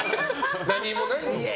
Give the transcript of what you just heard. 何もないんです。